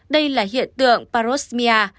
đây là hiện tượng parosmia